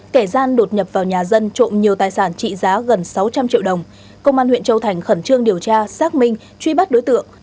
kẻ gian đột nhập vào nhà dân trộm nhiều tài sản trị giá gần sáu trăm linh triệu đồng công an huyện châu thành khẩn trương điều tra xác minh truy bắt đối tượng